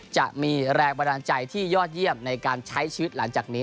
จะมีแรงบันดาลใจที่ยอดเยี่ยมในการใช้ชีวิตหลังจากนี้